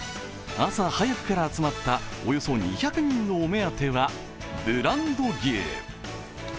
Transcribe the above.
朝早くから集まったおよそ２００人のお目当てはブランド牛。